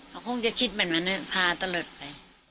เขาคงจะคิดแบบนั้นพาตลอดไป